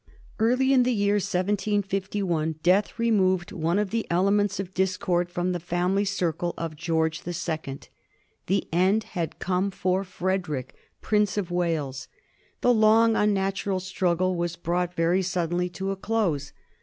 Early in the year 1761 death removed one of the ele ments of discord from the family circle of George the Second. The end had come for Frederick, Prince of Wales, The long, unnatural struggle was brought very suddenly to a close.